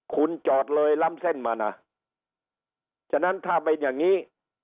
คุณจอดเลยล้ำเส้นมานะฉะนั้นถ้าเป็นอย่างนี้